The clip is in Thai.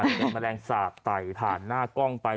มันก็เป็นแมลงรสสาบไต่ผ่านหน้ากล้องไป